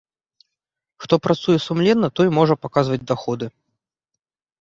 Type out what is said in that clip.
Хто працуе сумленна, той можа паказваць даходы.